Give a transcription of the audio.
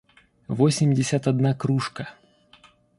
восемьдесят одна кружка